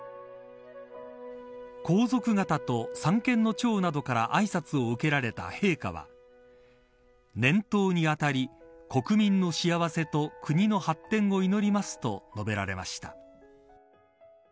皇族方と三権の長などからあいさつを受けられた陛下は年頭に当たり、国民の幸せと国の発展を祈りますと述べられました。